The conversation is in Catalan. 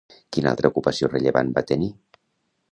Quina altra ocupació rellevant va tenir?